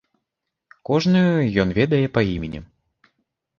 Кожную ён ведае па імені.